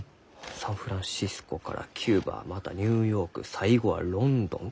サンフランシスコからキューバまたニューヨーク最後はロンドンと。